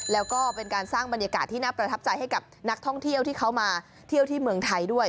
แล้วก็เป็นการสร้างบรรยากาศที่น่าประทับใจให้กับนักท่องเที่ยวที่เขามาเที่ยวที่เมืองไทยด้วย